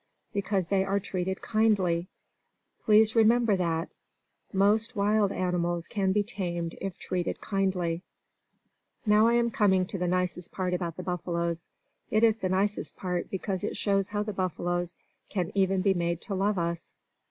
Because they are treated kindly. Please remember that. Most wild animals can be tamed if treated kindly. Now I am coming to the nicest part about the buffaloes. It is the nicest part because it shows how the buffaloes can even be made to love us.